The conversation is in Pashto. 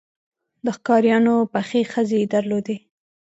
د ښکاریانو پخې خزې یې درلودې.